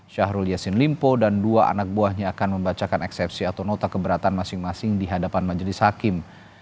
syahrul yassin limpo dan dua anak buahnya akan membacakan eksepsi atau nota keberatan masing masing di hadapan majelis hakim